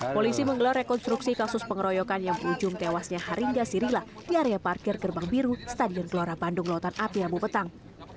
polisi menggelar rekonstruksi kasus pengeroyokan yang berujung tewasnya haringa sirla di area parkir gerbang biru stadion gbl a bandung